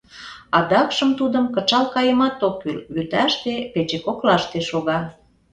Адакшым тудым кычал кайымат ок кӱл — вӱташте, пече коклаште, шога.